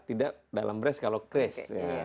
tidak dalam race kalau crash